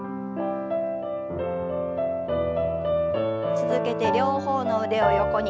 続けて両方の腕を横に。